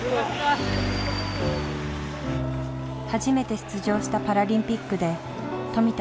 初めて出場したパラリンピックで富田